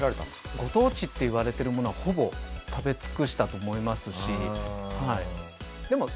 ご当地っていわれているものはほぼ食べ尽くしたと思いますし。